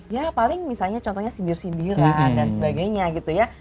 ya paling misalnya contohnya sindir sindiran dan sebagainya gitu ya